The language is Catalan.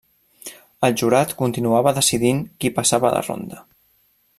El jurat continuava decidint qui passava de ronda.